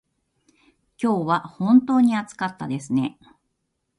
今日は本当に暑かったですね。